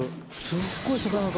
すっごい魚の数。